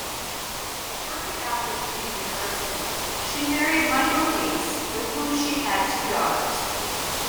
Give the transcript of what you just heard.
Shortly after leaving university she married Michael Dias, with whom she had two daughters.